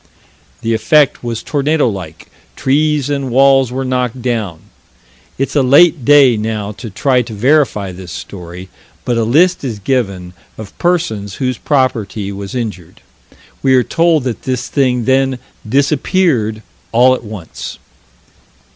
The effect was tornado like: trees and walls were knocked down. It's a late day now to try to verify this story, but a list is given of persons whose property was injured. We are told that this thing then disappeared "all at once."